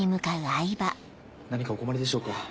何かお困りでしょうか？